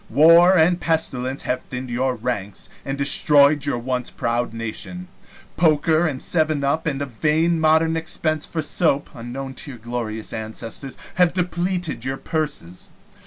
War and pestilence have thinned your ranks and destroyed your once proud nation. Poker and seven up, and a vain modern expense for soap, unknown to your glorious ancestors, have depleted your purses.